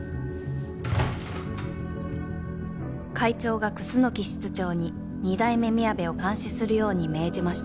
「会長が楠木室長に二代目みやべを監視するように命じました」